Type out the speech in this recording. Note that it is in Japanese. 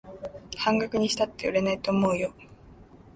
半額にしたって売れないと思うよ